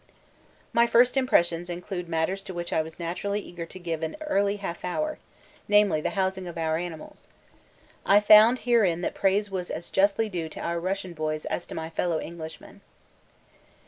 My first impressions include matters to which I was naturally eager to give an early half hour, namely the housing of our animals. I found herein that praise was as justly due to our Russian boys as to my fellow Englishmen.